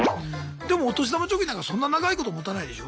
でもお年玉貯金なんかそんな長いこともたないでしょ？